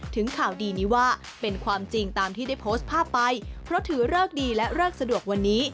ข่าวดีนี้ว่าเป็นความจริงตามที่ได้โพสต์ภาพไปเพราะถือเลิกดีและเลิกสะดวกวันนี้